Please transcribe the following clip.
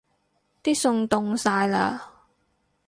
啲餸凍晒喇